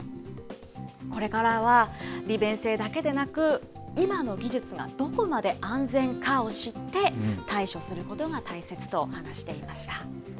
これからは利便性だけでなく、今の技術がどこまで安全かを知って、対処することが大切と話していました。